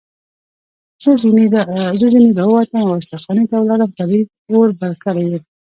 زه ځنې را ووتم او اشپزخانې ته ولاړم، فرید اور بل کړی و.